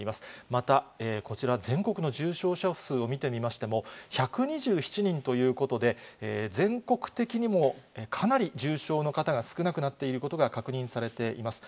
また、こちら、全国の重症者数を見てみましても、１２７人ということで、全国的にもかなり重症の方が少なくなっていることが確認されています。